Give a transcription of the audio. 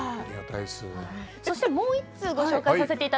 もう１通ご紹介します。